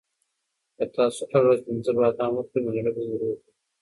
که تاسو هره ورځ پنځه بادام وخورئ نو زړه به مو روغ وي.